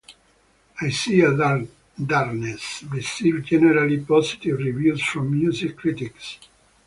"I See a Darkness" received generally positive reviews from music critics.